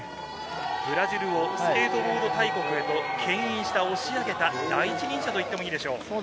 ブラジルをスケートボード大国へとけん引した、押し上げた第一人者と言ってもいいでしょう。